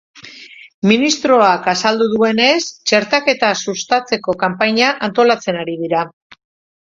Ministroak azaldu duenez, txertaketa sustatzeko kanpaina antolatzen ari dira.